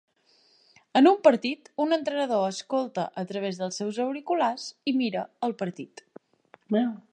En un partit, un entrenador escolta a través dels seus auriculars i mira el partit.